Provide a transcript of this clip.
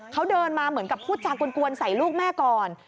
เขาเดินมาเหมือนกับพูดจากวนใส่ลูกแม่ก่อน